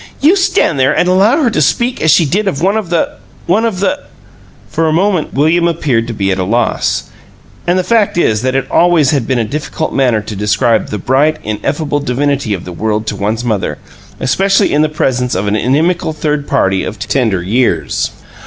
"You stand there and allow her to speak as she did of one of the one of the " For a moment William appeared to be at a loss, and the fact is that it always has been a difficult matter to describe THE bright, ineffable divinity of the world to one's mother, especially in the presence of an inimical third party of tender years.